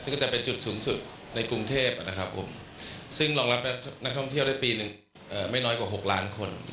ซึ่งก็จะเป็นจุดสูงสุดในกรุงเทพนะครับผมซึ่งรองรับนักท่องเที่ยวได้ปีนึงไม่น้อยกว่า๖ล้านคน